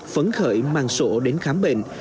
phấn khởi mang sổ đến khám bệnh